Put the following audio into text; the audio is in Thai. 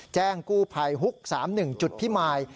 แจ้งกู้ภัยฮุก๓๑จุดพิมาย